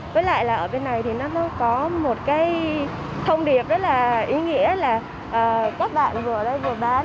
với lại là ở bên này thì nó có một cái thông điệp rất là ý nghĩa là các bạn vừa ở đây vừa bán